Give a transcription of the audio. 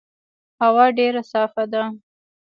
هوا ډېر صافه ده.